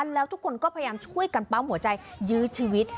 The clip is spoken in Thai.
แล้วทุกคนก็พยายามช่วยกันปั๊มหัวใจยื้อชีวิต